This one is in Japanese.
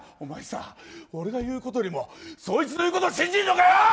俺の言うことよりもあいつの言うことを信じるのかよ。